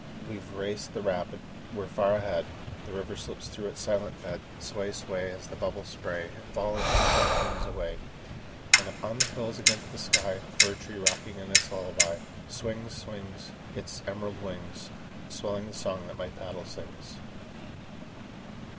We've raced the rapid, we're far ahead! The river slips through its silent bed. Sway, sway, As the bubbles spray And fall in tinkling tunes away. And up on the hills against the sky, A fir tree rocking its lullaby, Swings, swings, Its emerald wings, Swelling the song that my paddle sings.